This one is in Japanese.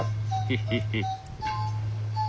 ヘヘヘ。